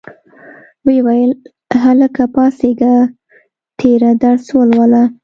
ویې ویل هلکه پاڅیږه تېر درس ولوله.